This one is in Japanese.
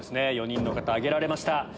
４人の方挙げられました。